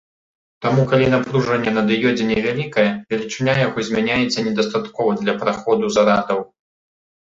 Таму, калі напружанне на дыёдзе невялікае, велічыня яго змяняецца недастаткова для праходу зарадаў.